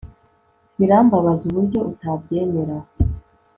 birambabaza uburyo utabyemera